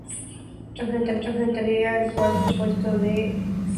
Enfrentaría al cuarto puesto que era el Motagua.